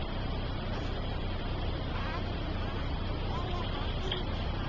あでもなワンワンまってるんだよな。